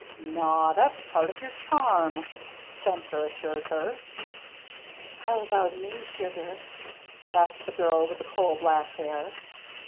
"Naw, that's part of your charm," Spencer assured her. "How 'bout me, sugar," asked the girl with the coal black hair.